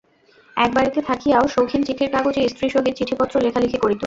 এক বাড়িতে থাকিয়াও শৌখিন চিঠির কাগজে স্ত্রীর সহিত চিঠিপত্র লেখালেখি করিত।